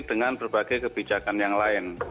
dengan berbagai kebijakan yang lain